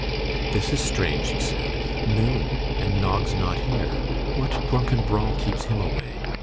'This is strange!' he said; 'noon, and Noggs not here! What drunken brawl keeps him away?